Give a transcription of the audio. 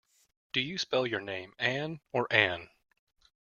Do you spell your name Ann or Anne?